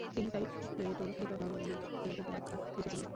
তিনি তাই প্লেটোর রিপাবলিক এর উপর ব্যাখ্যা লিখেছিলেন।